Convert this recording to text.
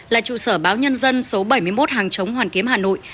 là trụ sở báo nhân dân số bảy mươi một hàng chống hoàn kiếm hà nội